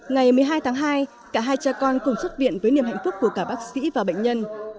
ngày một mươi hai tháng hai cả hai cha con cùng xuất viện với niềm hạnh phúc của cả bác sĩ và bệnh nhân